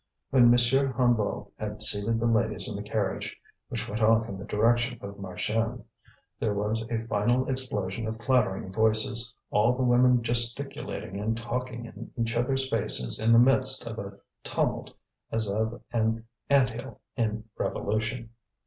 When M. Hennebeau had seated the ladies in the carriage, which went off in the direction of Marchiennes, there was a final explosion of clattering voices, all the women gesticulating and talking in each other's faces in the midst of a tumult as of an ant hill in revolution.